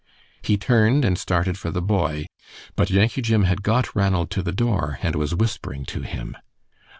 He turned and started for the boy. But Yankee Jim had got Ranald to the door and was whispering to him.